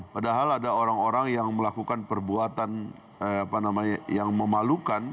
padahal ada orang orang yang melakukan perbuatan yang memalukan